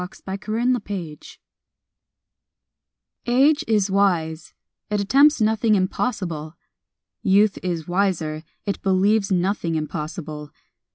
_ THE CONQUEROR Age is wise; it attempts nothing impossible. Youth is wiser; it believes nothing impossible.